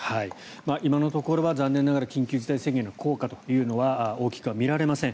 今のところは残念ながら緊急事態宣言の効果というのは大きくは見られません。